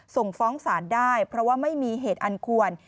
ส่งฟ้องศาลได้เพราะว่าไม่มีเหตุอันควร